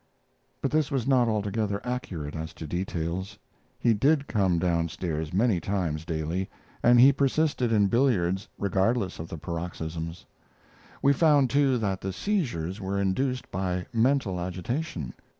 But this was not altogether accurate as to details. He did come down stairs many times daily, and he persisted in billiards regardless of the paroxysms. We found, too, that the seizures were induced by mental agitation.